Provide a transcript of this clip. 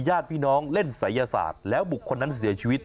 ญาติพี่น้องเล่นศัยศาสตร์แล้วบุคคลนั้นเสียชีวิต